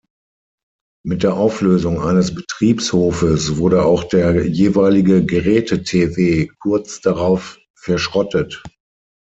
Mit der Auflösung eines Betriebshofes wurde auch der jeweilige Geräte-Tw kurz darauf verschrottet.